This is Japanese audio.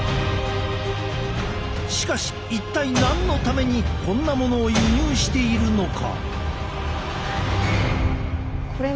しかし一体何のためにこんなものを輸入しているのか？